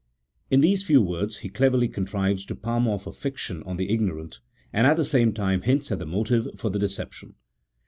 In these few words he cleverly contrives to palm off a fiction on the ignorant, and at the same time hints at the motive for the deception.